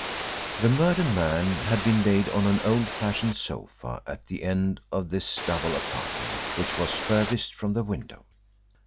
The murdered man had been laid on an old fashioned sofa at the end of this double apartment which was furthest from the window.